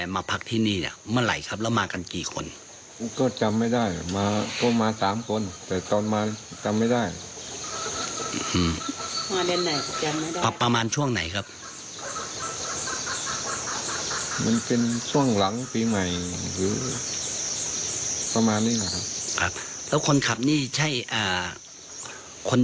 มาทุกเดือนเลยคุณออน